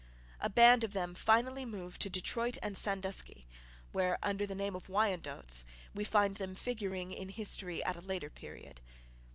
A band of them finally moved to Detroit and Sandusky, where, under the name of Wyandots, we find them figuring in history at a later period.